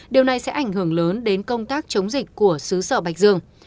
điều này sẽ ảnh hưởng lớn đến công tác chống dịch của xứ sở bạch dương